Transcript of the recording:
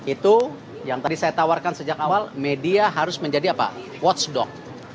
itu yang tadi saya tawarkan sejak awal media harus menjadi apa watchdog